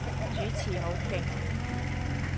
主持好勁